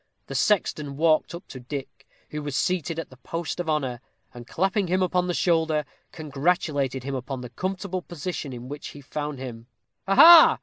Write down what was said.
The sexton walked up to Dick, who was seated at the post of honor, and, clapping him upon the shoulder, congratulated him upon the comfortable position in which he found him. "Ha, ha!